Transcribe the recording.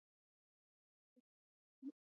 دا کتاب په اتیا ژبو ژباړل شوی دی.